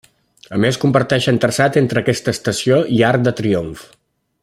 A més comparteixen traçat entre aquesta estació i Arc de Triomf.